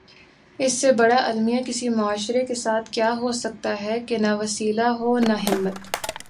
اس سے بڑا المیہ کسی معاشرے کے ساتھ کیا ہو سکتاہے کہ نہ وسیلہ ہو نہ ہمت۔